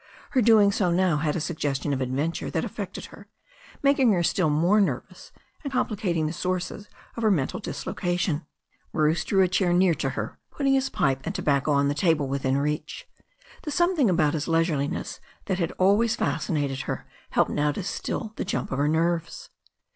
Her doing so now had a suggestion of adventure that affected her, making her still more nervous^ and complicating the sources of her mental dislocation. Bruce drew a chair near to her, putting his pipe and tobacco on a table within reach. The something about his leisureliness that had always fascinated her helped now to still the jump of her nerves.